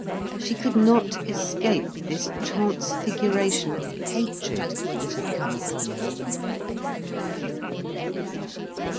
She could not escape this transfiguration of hatred that had come upon her.